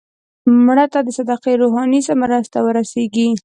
مړه ته د صدقې روحاني مرسته ورسېږي